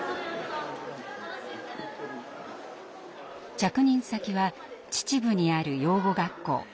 着任先は秩父にある養護学校。